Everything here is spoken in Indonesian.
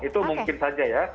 itu mungkin saja ya